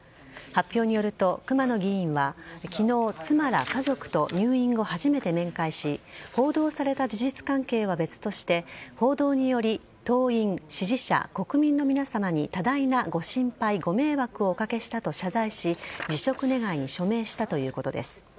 発表によると熊野議員は昨日、妻ら家族と入院後、初めて面会し報道された事実関係は別として報道により党員・支持者、国民の皆さまに多大なご心配ご迷惑をお掛けしたと謝罪し辞職願に署名したということです。